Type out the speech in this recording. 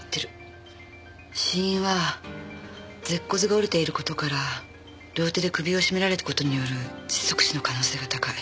死因は舌骨が折れている事から両手で首を絞められた事による窒息死の可能性が高い。